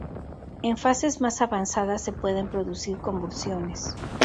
En fases más avanzadas se pueden producir convulsiones.